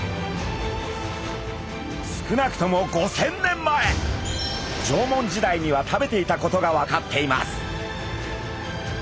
少なくとも５，０００年前縄文時代には食べていたことが分かっています。